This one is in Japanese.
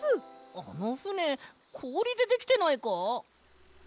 あのふねこおりでできてないか？